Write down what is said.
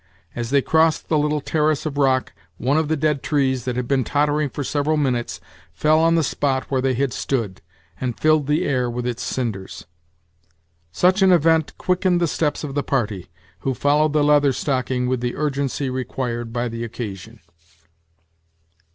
As they crossed the little terrace of rock, one of the dead trees, that had been tottering for several minutes, fell on the spot where they had stood, and filled the air with its cinders. Such an event quickened the steps of the party, who followed the Leather Stocking with the urgency required by the occasion.